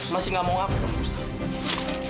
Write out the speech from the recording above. masih gak mau ngaku dong gustaf